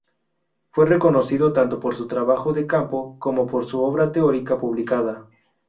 Fue reconocido tanto por su trabajo de campo como por su obra teórica publicada.